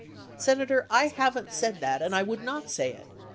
Senator, I haven't said that and I would not say it.